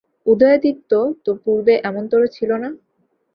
উদয়াদিত্য তো পূর্বে এমনতর ছিল না।